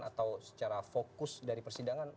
atau secara fokus dari persidangan